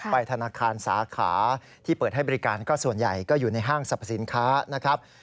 ธนาคารสาขาที่เปิดให้บริการก็ส่วนใหญ่ก็อยู่ในห้างสรรพสินค้านะครับ